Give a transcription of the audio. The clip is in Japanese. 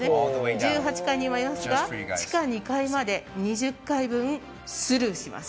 １８階に今いますが地下２階まで２０階分スルーします。